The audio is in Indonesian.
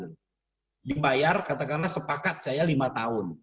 dan dibayar katakanlah sepakat saya lima tahun